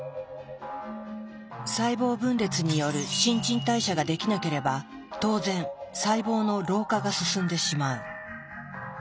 細胞分裂による新陳代謝ができなければ当然細胞の老化が進んでしまう。